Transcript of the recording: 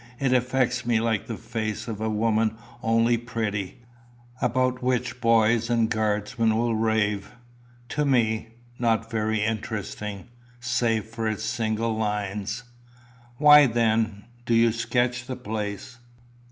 It affects me like the face of a woman only pretty, about which boys and guardsmen will rave to me not very interesting, save for its single lines." "Why, then, do you sketch the place?"